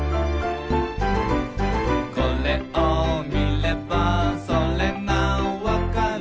「これを見ればそれがわかる」